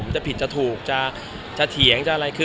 จะผิดจะถูกจะเถียง